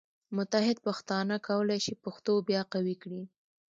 متحد پښتانه کولی شي پښتو بیا قوي کړي.